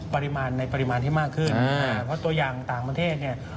ปริมาณในปริมาณที่มากขึ้นเพราะตัวอย่างต่างประเทศเนี่ย